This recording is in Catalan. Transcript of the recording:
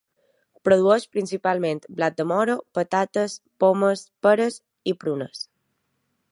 Produeix principalment blat de moro, patates, pomes, peres i prunes.